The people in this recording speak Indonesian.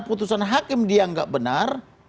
putusan hakim dianggap benar